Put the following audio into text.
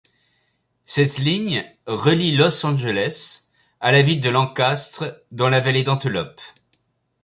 Cette ligne relie Los Angeles à la ville de Lancaster, dans la vallée d'Antelope.